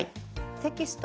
テキスト